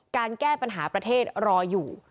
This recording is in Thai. การแก้ปัญหาประเทศรออยู่